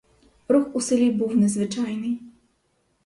Рух у селі був незвичайний.